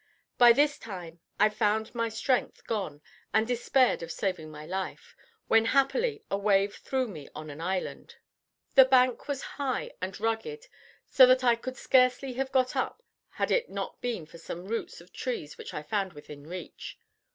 By this time I found my strength gone, and despaired of saving my life, when happily a wave threw me on an island. The bank was high and rugged, so that I could scarcely have got up had it not been for some roots of trees which I found within reach.